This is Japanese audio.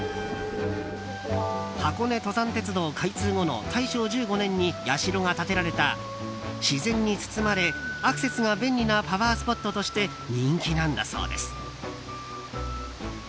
箱根登山鉄道開通後の大正１５年に社が建てられた自然に包まれアクセスが便利なパワースポットとして人気なんだそうです。